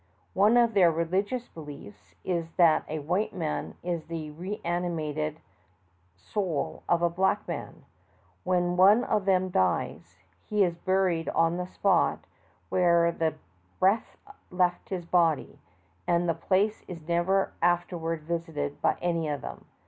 One of their religious beliefs is that a white man is the reanimated soul of a black man. When one of them dies, he is buried on the spot where the breath left his body, and the place is never after ward visited by any of them.